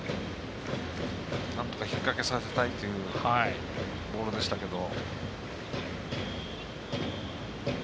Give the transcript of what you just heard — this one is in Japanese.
なんとか引っ掛けさせたいボールでしたけど。